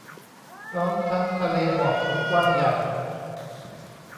พร้อมทั้งทะเลหมอกสุดกว้างใหญ่